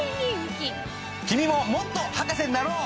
君ももっと博士になろう！